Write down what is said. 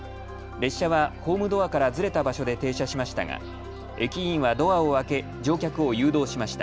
列車はホームドアからずれた場所で停車しましたが駅員はドアを開け乗客を誘導しました。